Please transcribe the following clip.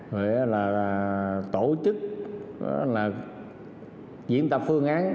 rồi là tổ chức diễn tập phương án